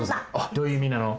どういういみなの？